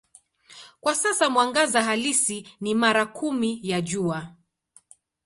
Kwa sasa mwangaza halisi ni mara kumi ya Jua.